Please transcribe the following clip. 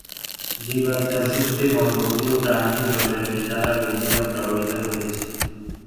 জীবাত্মার শক্তি, মন-বুদ্ধি ও প্রাণই জড়ের দ্বারা বিভিন্নভাবে প্রভাবিত হইতেছে।